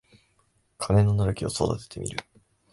金のなる木を育ててみる